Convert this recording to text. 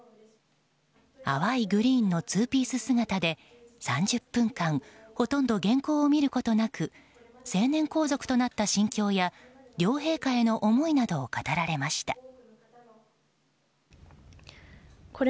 淡いグリーンのツーピース姿で３０分間ほとんど原稿を見ることなく成年皇族となった心境や両陛下への思いなどを語られました。